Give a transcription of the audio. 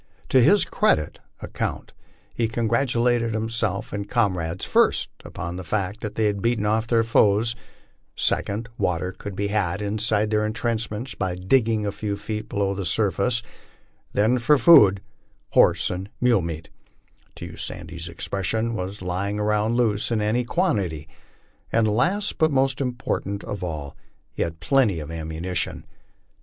To his credit account he congratulated himself and comrades, first upon the fact that they had beaten off their foes ; second, water could be had inside their intrenchments by digging a few feet below the surface ; then for food '* horse and mule meat," to use Sandy's expression, "was lying around loose in any quantity ;" and last, but most important of all, he had plenty of ammunition.